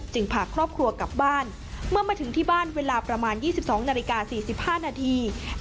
พาครอบครัวกลับบ้านเมื่อมาถึงที่บ้านเวลาประมาณ๒๒นาฬิกา๔๕นาที